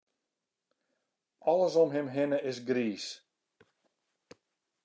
Alles om him hinne is griis.